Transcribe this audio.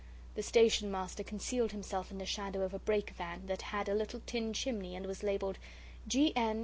The Station Master concealed himself in the shadow of a brake van that had a little tin chimney and was labelled: G. N.